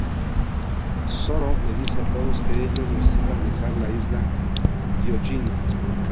Zoro le dice a todos que ellos necesitan dejar la Isla Gyojin.